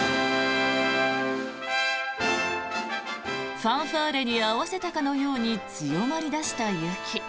ファンファーレに合わせたかのように強まり出した雪。